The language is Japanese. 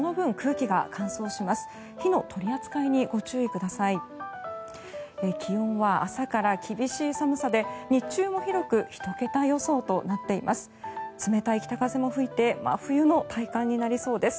気温は朝から厳しい寒さで日中も広く１桁予想となっています。